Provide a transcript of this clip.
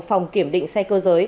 phòng kiểm định xe cơ giới